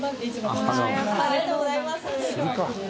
ありがとうございます。